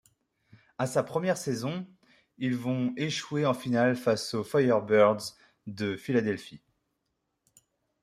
À sa première saison, ils vont échouer en finale face aux Firebirds de Philadelphie.